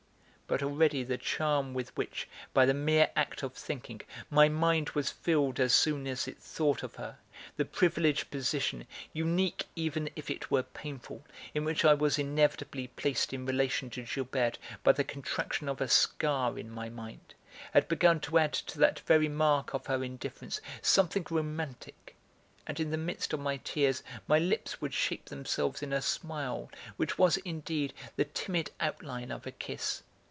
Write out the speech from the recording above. But already the charm with which, by the mere act of thinking, my mind was filled as soon as it thought of her, the privileged position, unique even if it were painful, in which I was inevitably placed in relation to Gilberte by the contraction of a scar in my mind, had begun to add to that very mark of her indifference something romantic, and in the midst of my tears my lips would shape themselves in a smile which was indeed the timid outline of a kiss.